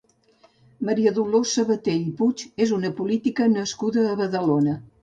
Maria Dolors Sabater i Puig és una política nascuda a Badalona.